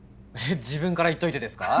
自分から言っといてですか？